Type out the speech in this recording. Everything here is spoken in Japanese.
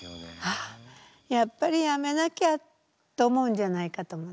「あっやっぱりやめなきゃ」と思うんじゃないかと思って。